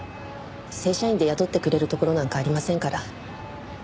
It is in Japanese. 正社員で雇ってくれるところなんかありませんから。